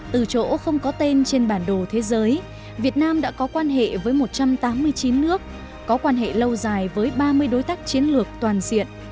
từ chỗ không có tên trên bản đồ thế giới việt nam đã có quan hệ với một trăm tám mươi chín nước có quan hệ lâu dài với ba mươi đối tác chiến lược toàn diện